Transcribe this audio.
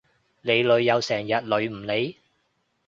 你女友成日女唔你？